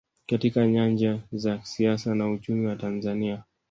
katika nyanja za siasa na uchumi wa Tanzania